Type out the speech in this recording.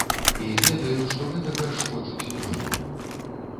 І ведаю, што гэтага ж хочуць многія.